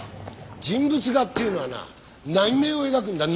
人物画っていうのはな内面を描くんだ内面を。